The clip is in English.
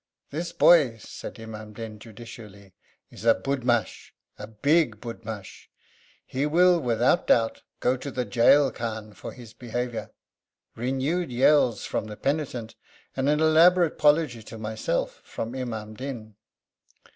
'This boy,' said Imam Din judicially, 'is a budmash a big budmash. He will, without doubt, go to the jail khana, for his behaviour.' Renewed yells from the penitent, and an elaborate apology to myself from Imam Din.